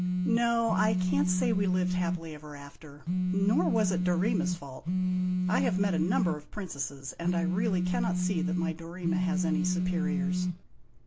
No ; I can't say we lived happily ever after. Nor was it Dorema's fault. I have met a number of princesses, and I really cannot see that my Dorema has any superiors."